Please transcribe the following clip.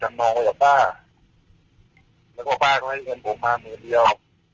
น้องไว้กับป้าแล้วก็ป้าก็ให้เงินผมมาหมื่นเดียว